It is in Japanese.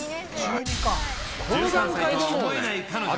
１３歳とは思えない彼女。